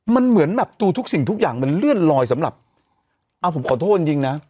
มันเหมือนแบบดูทุกสิ่งทุกอย่างมันเลื่อนลอยสำหรับอ่าผมขอโทษจริงจริงนะ